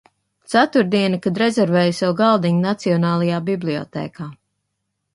Ceturtdiena, kad rezervēju sev galdiņu nacionālajā bibliotēkā.